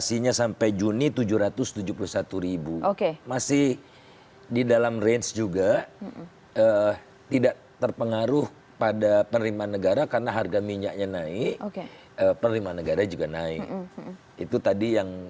iya memang tidak ada apbn perubahan